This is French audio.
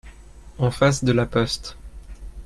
En face de la poste.